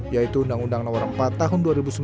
yaitu undang undang no empat tahun dua ribu tujuh belas